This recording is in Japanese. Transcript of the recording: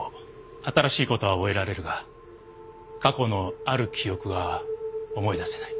新しいことは覚えられるが過去のある記憶が思い出せない。